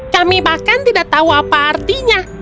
kami bahkan tidak tahu apa artinya